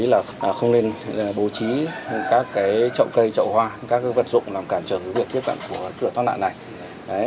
đấy là không nên bố trí các cái trậu cây trậu hoa các cái vật dụng làm cản trở với việc tiếp cận của cửa thoát nạn này